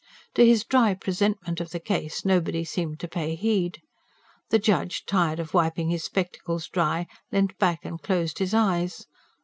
To his dry presentment of the case nobody seemed to pay heed. The judge, tired of wiping his spectacles dry, leant back and closed his eyes.